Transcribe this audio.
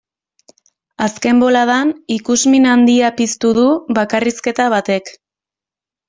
Azken boladan ikusmin handia piztu du bakarrizketa batek.